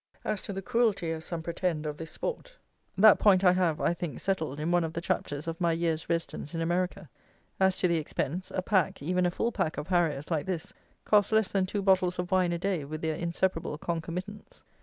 As to the cruelty, as some pretend, of this sport, that point I have, I think, settled in one of the Chapters of my "Year's Residence in America." As to the expense, a pack, even a full pack of harriers, like this, costs less than two bottles of wine a day with their inseparable concomitants.